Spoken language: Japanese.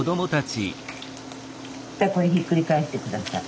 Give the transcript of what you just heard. じゃこれひっくり返して下さい。